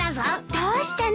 どうしたの？